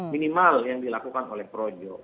minimal yang dilakukan oleh projo